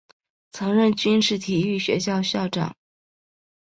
曾任军事体育学校校长。